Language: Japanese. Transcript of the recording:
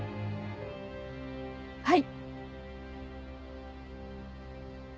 はい。